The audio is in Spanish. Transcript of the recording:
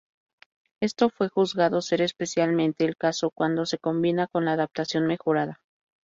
Esto fue juzgado ser especialmente el caso, cuando se combina con la adaptación mejorada.